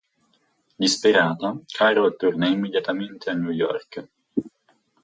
Disperata, Carol torna immediatamente a New York.